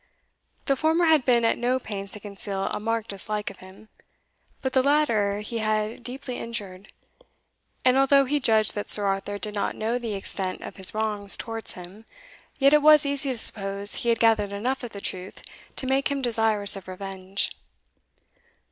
The former had been at no pains to conceal a marked dislike of him but the latter he had deeply injured; and although he judged that Sir Arthur did not know the extent of his wrongs towards him, yet it was easy to suppose he had gathered enough of the truth to make him desirous of revenge.